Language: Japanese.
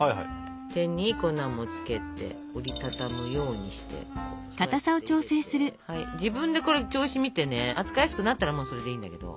手に粉もつけて折り畳むようにしてこうやって入れて自分でこれ調子を見てね扱いやすくなったらもうそれでいいんだけど。